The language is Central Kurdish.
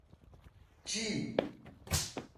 چی؟